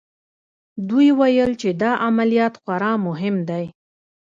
دوی ویل چې دا عملیات خورا مهم دی